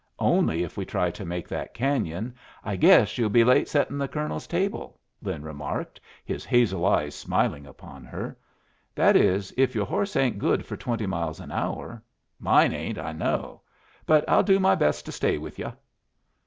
"Only if we try to make that canyon, I guess you'll be late settin' the colonel's table," Lin remarked, his hazel eyes smiling upon her. "That is, if your horse ain't good for twenty miles an hour. Mine ain't, I know. But I'll do my best to stay with yu'."